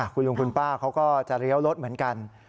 คุณลุงคุณป้าเขาก็จะเลี้ยวรถเหมือนกัน